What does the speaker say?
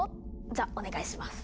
じゃお願いします。